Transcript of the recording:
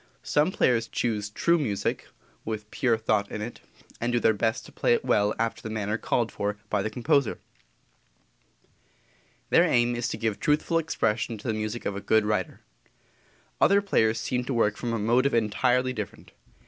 Some players choose true music with pure thought in it, and do their best to play it well after the manner called for by the composer. Their aim is to give truthful expression to the music of a good writer. Other players seem to work from a motive entirely different.